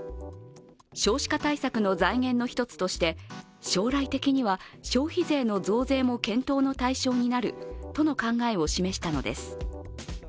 少子化対策の財源の１つとして、将来的には消費税の増税も検討の対象になるとの考えを示したのです。